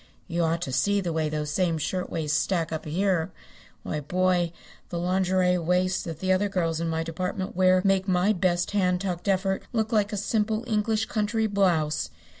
You ought to see the way those same shirtwaist stack up here. Why, boy, the lingerie waists that the other girls in my department wear make my best hand tucked effort look like a simple English country blouse.